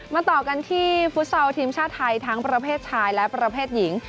ต่อกันที่ฟุตซอลทีมชาติไทยทั้งประเภทชายและประเภทหญิง